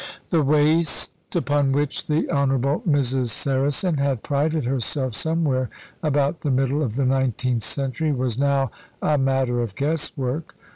The waist upon which the Honourable Mrs. Saracen had prided herself somewhere about the middle of the nineteenth century was now a matter of guess work.